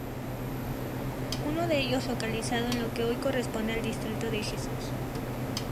Uno de ellos localizado en lo que hoy corresponde al distrito de Jesús.